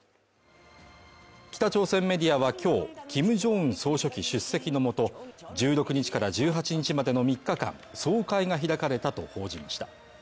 北朝鮮メディアは今日、キム・ジョンウン総書記出席のもと、１６日から１８日までの３日間、総会が開かれたと報じました。